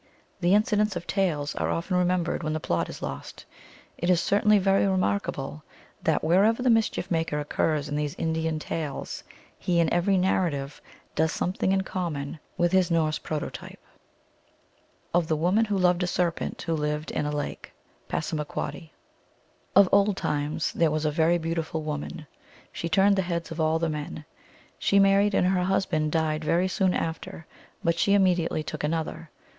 The incidents of tales are often remembered when the plot is lost. It is certainly very remarkable that, wherever the mischief maker occurs in these Indian tales, he in every narrative does something in common with his Norse prototype. AT O SIS, THE SERPENT. 273 Of the Woman who loved a Serpent who lived in a Lake. (Passamaquoddy.) Of old times. There was a very beautiful woman. She turned the heads of all the men. She married, and her husband died very soon after, but she imme diately took another.